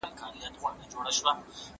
هسک بامیان درې درې د چنارونو